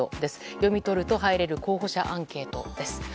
読み取るとは入れる候補者アンケート。